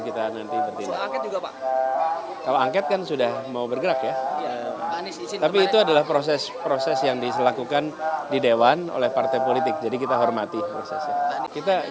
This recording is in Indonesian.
kalau angket kan sudah mau bergerak ya tapi itu adalah proses proses yang dilakukan di dewan oleh partai politik jadi kita hormati prosesnya